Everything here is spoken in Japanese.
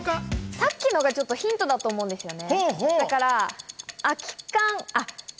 さっきのがヒントだと思うんですよね。